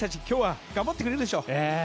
今日は頑張ってくれるでしょう。